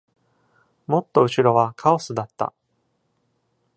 もっと後ろはカオスだった。